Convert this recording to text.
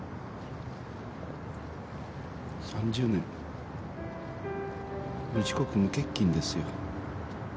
３０年無遅刻無欠勤ですよ。